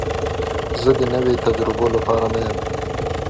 زه د نوي تجربو لپاره نه یم.